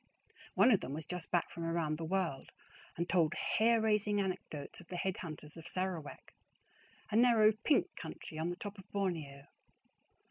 One of them was just back from around the world, and told hair raising anecdotes of the head hunters of Sarawak, a narrow pink country on the top of Borneo.